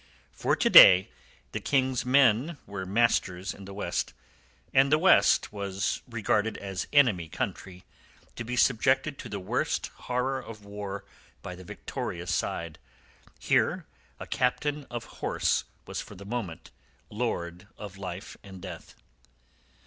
For to day the King's men were masters in the West, and the West was regarded as enemy country, to be subjected to the worst horror of war by the victorious side. Here a captain of horse was for the moment lord of life and death.